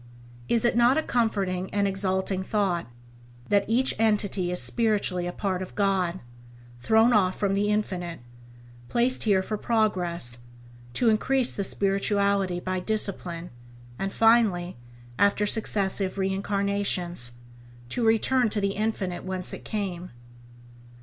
Is it not a comforting and exalting thought — that each entity is spiritually a part of God, thrown off from the Infinite — placed here for progress, to increase the spirituality by discipline, and, finally, after successive re incarnations, to return to the Infinite whence it came.